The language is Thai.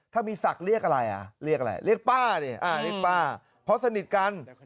ถ้ามีศักดิ์เรียกอะไรเรียกป้าเนี่ยเพราะสนิทกัน